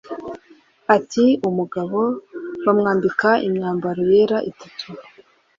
Ati “Umugabo bamwambika imyambaro yera itatu